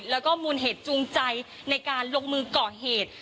แล้วก็มูลเหตุจูงใจในการลงมือก่อเหตุ